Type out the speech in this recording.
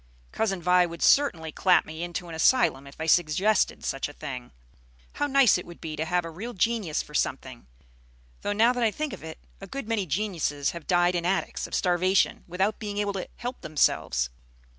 Cousin Vi would certainly clap me into an asylum if I suggested such a thing. How nice it would be to have a real genius for something! Though now that I think of it, a good many geniuses have died in attics, of starvation, without being able to help themselves."